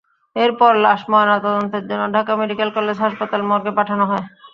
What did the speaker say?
এরপর লাশ ময়নাতদন্তের জন্য ঢাকা মেডিকেল কলেজ হাসপাতাল মর্গে পাঠানো হয়।